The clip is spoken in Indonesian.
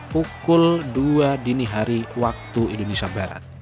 pukul dua dini hari waktu indonesia barat